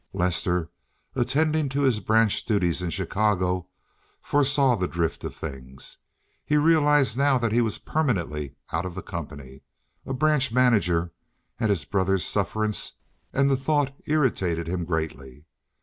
Lester, attending to his branch duties in Chicago, foresaw the drift of things. He realized now that he was permanently out of the company, a branch manager at his brother's sufferance, and the thought irritated him greatly.